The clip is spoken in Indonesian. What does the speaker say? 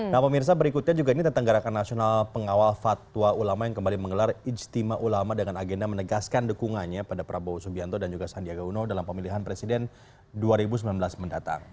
nah pemirsa berikutnya juga ini tentang gerakan nasional pengawal fatwa ulama yang kembali menggelar ijtima ulama dengan agenda menegaskan dukungannya pada prabowo subianto dan juga sandiaga uno dalam pemilihan presiden dua ribu sembilan belas mendatang